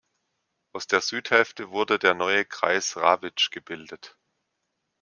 Aus der Südhälfte wurde der neue Kreis Rawitsch gebildet.